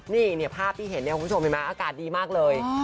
นี่เนี่ยภาพที่เห็นคุณผู้ชมเห็นไหมอากาศดีมากเลย